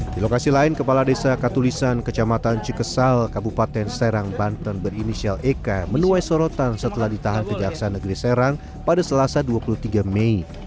di lokasi lain kepala desa katulisan kecamatan cikesal kabupaten serang banten berinisial eka menuai sorotan setelah ditahan kejaksaan negeri serang pada selasa dua puluh tiga mei